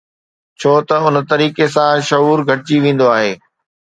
ڇو ته ان طريقي سان شعور گهٽجي ويندو آهي